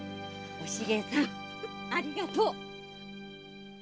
おしげさんありがとう！